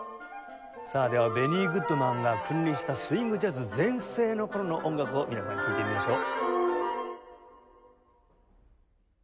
ではベニー・グッドマンが君臨したスウィング・ジャズ全盛の頃の音楽を皆さん聴いてみましょう。